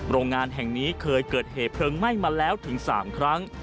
โรงงานแห่งนี้เคยเกิดเหตุเพลิงไหม้มาแล้วถึง๓ครั้ง